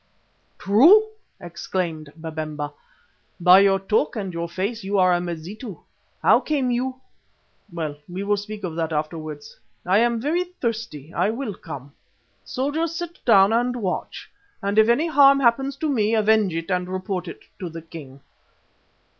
"True!" exclaimed Babemba. "By your talk and your face you are a Mazitu. How came you well, we will speak of that afterwards. I am very thirsty. I will come. Soldiers, sit down and watch, and if any harm happens to me, avenge it and report to the king."